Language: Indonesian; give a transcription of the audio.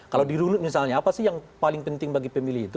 kalau dirulut misalnya apa sih yang paling penting bagi pemilih itu